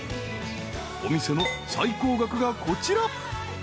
［お店の最高額がこちら］